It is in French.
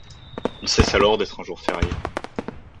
Il cesse alors d'être un jour férié.